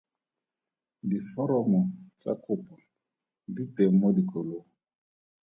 Diforomo tsa kopo di teng mo dikolong.